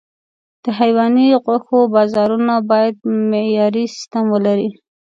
د حيواني غوښو بازارونه باید معیاري سیستم ولري.